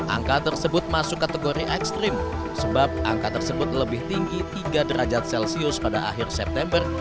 angka tersebut masuk kategori ekstrim sebab angka tersebut lebih tinggi tiga derajat celcius pada akhir september